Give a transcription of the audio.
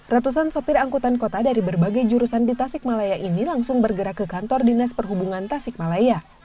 ratusan sopir angkutan kota dari berbagai jurusan di tasikmalaya ini langsung bergerak ke kantor dinas perhubungan tasikmalaya